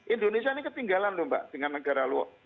indonesia ini ketinggalan loh mbak dengan negara luar